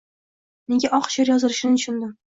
Nega oq she’r yozilishini tushundim